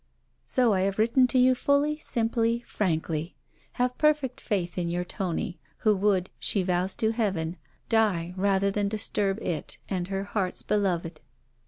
'So I have written to you fully, simply, frankly. Have perfect faith in your Tony, who would, she vows to heaven; die rather than disturb it and her heart's beloved.'